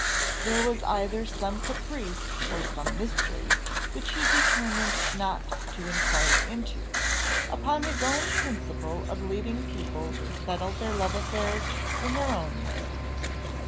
There was either some caprice, or some mystery, which he determined not to inquire into, upon his own principle of leaving people to settle their love affairs in their own way.